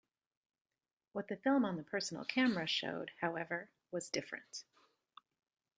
What the film on the personal camera showed, however, was different.